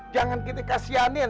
jangan kita kasihanin